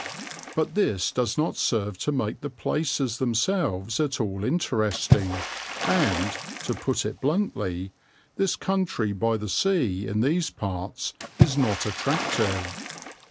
But this does not serve to make the places themselves at all interesting and, to put it bluntly, this country by the sea in these parts is not attractive.